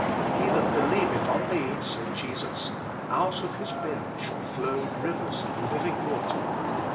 " He that believeth on Me," said Jesus, " out of his belly shall flow rivers of living water."